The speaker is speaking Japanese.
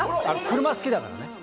車好きだからね。